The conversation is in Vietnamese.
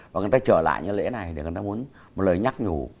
và người ta trở lại những cái lễ này thì người ta muốn một lời nhắc nhủ